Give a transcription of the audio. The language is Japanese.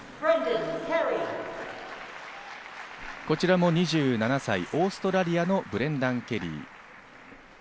こちらも２７歳、オーストラリアのブレンダン・ケリー。